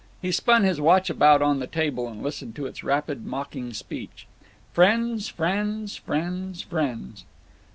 He spun his watch about on the table, and listened to its rapid mocking speech, "Friends, friends; friends, friends."